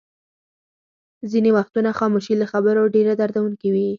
ځینې وختونه خاموشي له خبرو ډېره دردوونکې وي.